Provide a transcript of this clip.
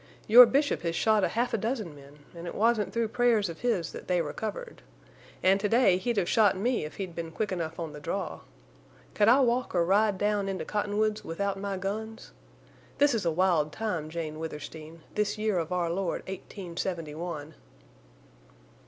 Your Bishop has shot a half dozen men, an' it wasn't through prayers of his that they recovered. An' to day he'd have shot me if he'd been quick enough on the draw. Could I walk or ride down into Cottonwoods without my guns? This is a wild time, Jane Withersteen, this year of our Lord eighteen seventy one."